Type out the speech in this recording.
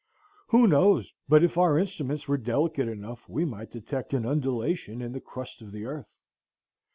Who knows but if our instruments were delicate enough we might detect an undulation in the crust of the earth?